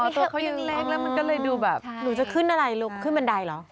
ตัวเขายังเล็กแล้วมันก็เลยดูแบบหนูจะขึ้นอะไรขึ้นบันไดเหรอ